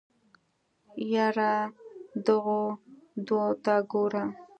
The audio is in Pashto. يره دغو دوو ته ګوره.